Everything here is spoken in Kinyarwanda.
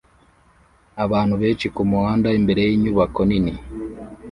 abantu benshi kumuhanda imbere yinyubako nini